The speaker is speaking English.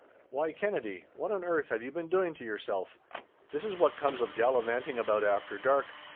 "Why, Kennedy, what on earth have you been doing to yourself? This is what comes of gallivanting about after dark.